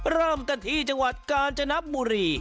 เริ่มกันที่จังหวัดกาญจนบุรี